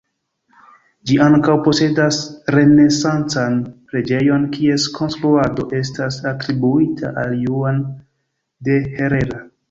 Ĝi ankaŭ posedas renesancan preĝejon kies konstruado estas atribuita al Juan de Herrera.